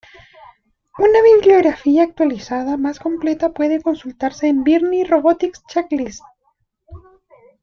Una bibliografía actualizada más completa puede consultarse en Byrne Robotics Checklist.